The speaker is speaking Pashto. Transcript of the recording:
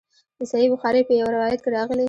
د صحیح بخاري په یوه روایت کې راغلي.